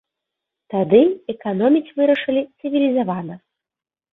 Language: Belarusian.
Тады эканоміць вырашылі цывілізавана.